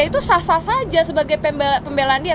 itu sah sah saja sebagai pembelaan dia